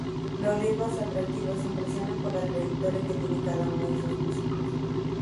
Los ritmos atractivos impresionan por la trayectoria que tienen cada uno de sus músicos.